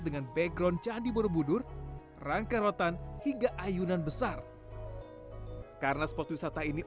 dengan background candi borobudur rangka rotan hingga ayunan besar karena spot wisata ini